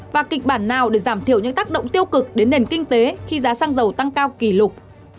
và kịch bản nào để giảm thiểu những tác động tiêu cực đến nền kinh tế khi giá xăng dầu tăng cao kỷ lục